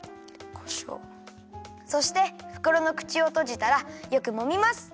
そしてふくろのくちをとじたらよくもみます！